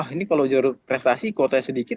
ini kalau juru prestasi kuotanya sedikit